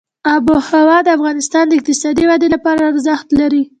آب وهوا د افغانستان د اقتصادي ودې لپاره ارزښت لري.